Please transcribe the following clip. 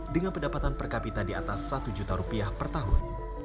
dengan pendapatan per kapita di atas satu juta rupiah per tahun